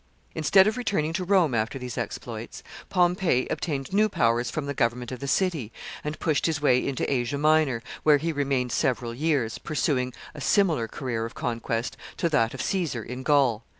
] Instead of returning to Rome after these exploits, Pompey obtained new powers from the government of the city, and pushed his way into Asia Minor, where he remained several years, pursuing a similar career of conquest to that of Caesar in Gaul.